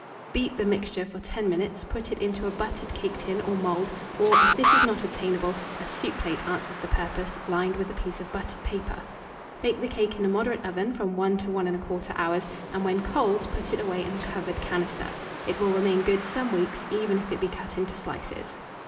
Beat the mixture for 10 minutes, put it into a buttered cake tin or mould, or, if this is not obtainable, a soup plate answers the purpose, lined with a piece of buttered paper. Bake the cake in a moderate oven from 1 to 1 1/4 hour, and when cold, put it away in a covered canister. It will remain good some weeks, even if it be cut into slices.